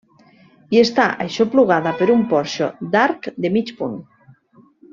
I està aixoplugada per un porxo d'arc de mig punt.